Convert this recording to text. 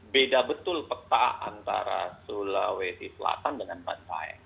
beda betul peta antara sulawesi selatan dengan bantaeng